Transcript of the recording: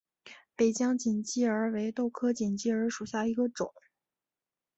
北疆锦鸡儿为豆科锦鸡儿属下的一个种。